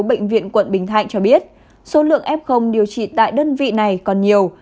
bệnh viện quận bình thạnh cho biết số lượng f điều trị tại đơn vị này còn nhiều